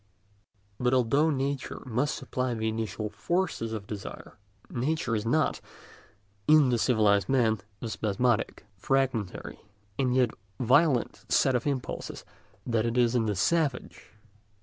But although nature must supply the initial force of desire, nature is not, in the civilised man, the spasmodic, fragmentary, and yet violent set of impulses that it is in the savage.